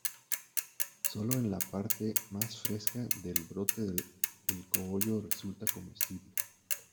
Solo en la parte más fresca del brote el cogollo resulta comestible.